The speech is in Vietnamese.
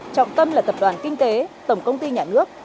trọng tâm là tập đoàn kinh tế tổng công ty nhà nước